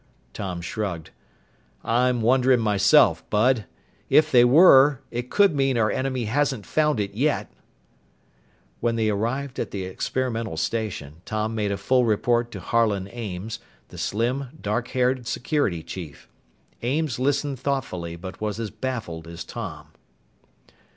Tom shrugged. "I'm wondering myself, Bud. If they were, it could mean our enemy hasn't found it yet!" When they arrived at the experimental station, Tom made a full report to Harlan Ames, the slim, dark haired security chief. Ames listened thoughtfully but was as baffled as Tom.